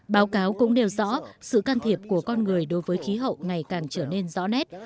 báo cáo cũng nêu rõ sự can thiệp của con người đối với khí hậu ngày càng trở nên rõ nét